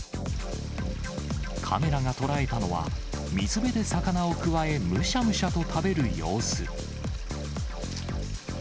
カメラが捉えたのは、水辺で魚をくわえ、むしゃむしゃと食べる様子。